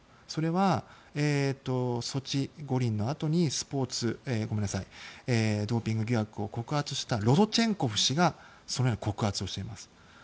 それは、ソチ五輪のあとにドーピング疑惑を告発したロドチェンコフ氏がそれを告発しています。